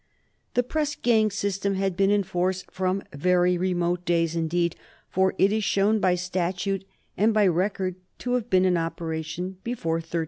The press gang system had been in force from very remote days indeed, for it is shown by statute and by record to have been in operation before 1378.